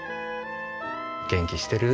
元気してる？